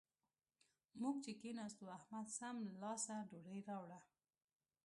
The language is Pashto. موږ چې کېناستو؛ احمد سم له لاسه ډوډۍ راوړه.